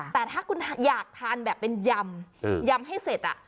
แต่ถ้าคุณอยากทานแบบเป็นยำยำให้เสร็จ